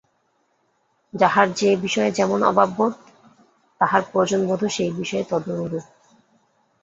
যাহার যে-বিষয়ে যেমন অভাববোধ, তাহার প্রয়োজনবোধও সেই বিষয়ে তদনুরূপ।